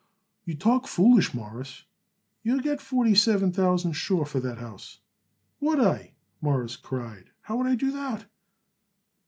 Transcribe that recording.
"You talk foolish, Mawruss; you would get forty seven thousand, sure, for that house." "Would I?" Morris cried. "How would I do that?"